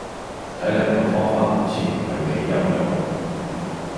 睇黎個方法好似唔係幾有用